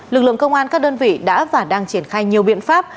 lực lượng công an các đơn vị đã và đang triển khai nhiều biện pháp